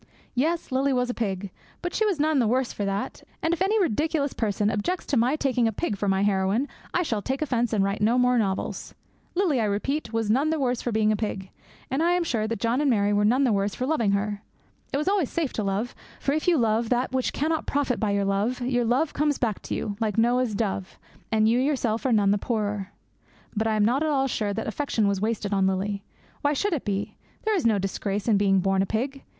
Yes, Lily was a pig, but she was none the worse for that; and if any ridiculous person objects to my taking a pig for my heroine, I shall take offence and write no more novels. Lily, I repeat, was none the worse for being a pig. And I am sure that John and Mary were none the worse for loving her. It is always safe to love, for if you love that which cannot profit by your love, your love comes back to you, like Noah's dove, and you yourself are none the poorer. But I am not at all sure that affection was wasted on Lily. Why should it be? There is no disgrace in being born a pig.